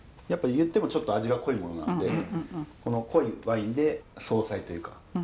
やっぱり言ってもちょっと味が濃いものなのでこの濃いワインで相殺というか。